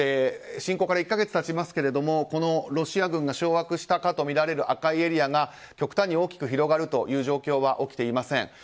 侵攻から１か月経ちますけれどもロシア軍が掌握したかとみられる赤いエリアが極端に大きく広がるという状況は起きていません。